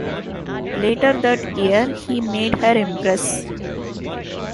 Later that year, he made her empress.